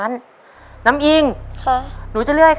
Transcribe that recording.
ตัวเลือกที่สี่นายชาญชัยสุนทรมัตต์